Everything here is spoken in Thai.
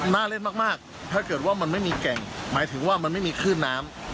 เล่นมากถ้าเกิดว่ามันไม่มีแก่งหมายถึงว่ามันไม่มีคลื่นน้ำ